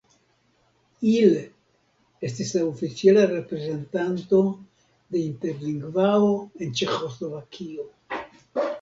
Il estis la oficiala reprezentanto de Interlingvao en Ĉeĥoslovakio.